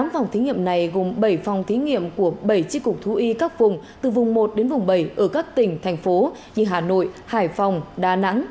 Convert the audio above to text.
tám phòng thí nghiệm này gồm bảy phòng thí nghiệm của bảy tri cục thú y các vùng từ vùng một đến vùng bảy ở các tỉnh thành phố như hà nội hải phòng đà nẵng